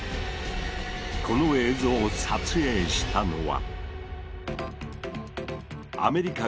この映像を撮影したのは。